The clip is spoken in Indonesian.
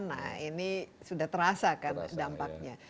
nah ini sudah terasa kan dampaknya